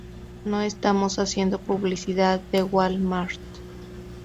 No estamos haciendo publicidad de Wal Mart.